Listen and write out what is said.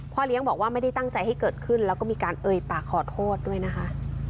เลี้ยงบอกว่าไม่ได้ตั้งใจให้เกิดขึ้นแล้วก็มีการเอ่ยปากขอโทษด้วยนะคะ